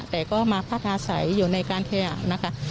แต่ก็มาพักอาศัยอยู่ในการขยะนะคะ